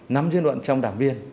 nắm dư luận trong đảng viên